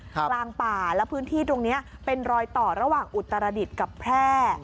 กลางป่าแล้วพื้นที่ตรงนี้เป็นรอยต่อระหว่างอุตรดิษฐ์กับแพร่